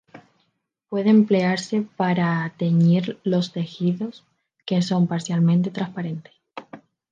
Puede emplearse para teñir los tejidos que son parcialmente transparentes.